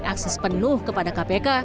dan akses penuh kepada kpk